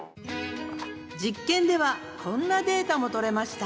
実験ではこんなデータもとれました。